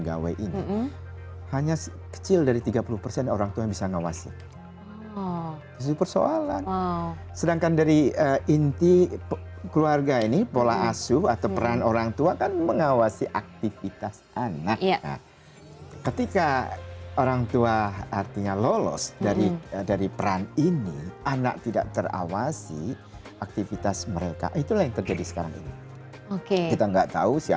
ada bagian indonesia yang angka fertilisasi